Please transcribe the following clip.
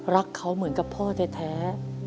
รักเขาเหมือนกับพ่อแท้